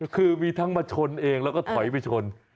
คือมีทั้งมาชนเองแล้วก็ถอยไปชน